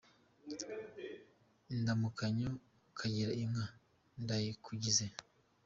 Indamukanyo Kagira inka Ndayikugize